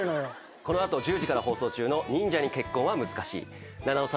この後１０時から放送中の『忍者に結婚は難しい』菜々緒さん